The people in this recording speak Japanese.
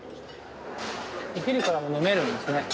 お昼からも飲めるんですね。